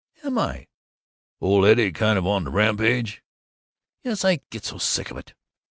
"Am I?" "Ole Eddie kind of on the rampage." "Yes. I get so sick of it."